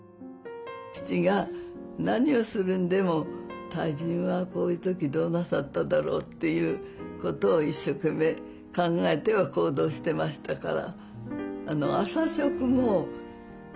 父が何をするんでも大人はこういう時どうなさっただろうっていうことを一生懸命考えては行動してましたから。